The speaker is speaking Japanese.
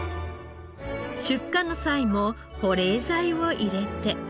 出荷の際も保冷剤を入れて。